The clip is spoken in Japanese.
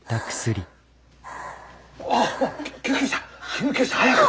おい救急車救急車早く！